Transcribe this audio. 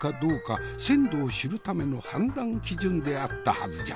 鮮度を知るための判断基準であったはずじゃ。